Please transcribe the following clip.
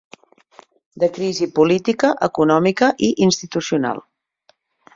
De crisi política, econòmica i institucional.